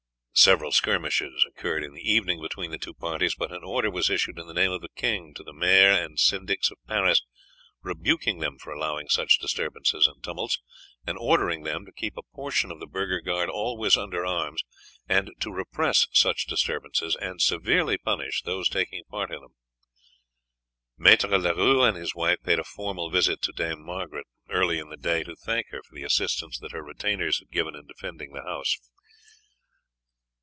Several skirmishes occurred in the evening between the two parties, but an order was issued in the name of the king to the Maire and syndics of Paris rebuking them for allowing such disturbances and tumults, and ordering them to keep a portion of the burgher guard always under arms, and to repress such disturbances, and severely punish those taking part in them. Maître Leroux and his wife paid a formal visit to Dame Margaret early in the day to thank her for the assistance that her retainers had given in defending the house.